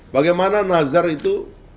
bagaimana nazar itu